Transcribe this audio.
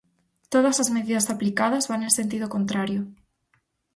Todas as medidas aplicadas van en sentido contrario.